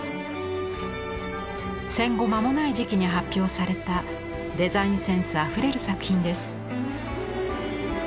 戦後間もない時期に発表されたデザインセンスあふれる作品です。